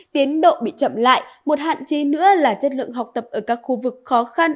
tiến độ bị chậm lại một hạn chế nữa là chất lượng học tập ở các khu vực khó khăn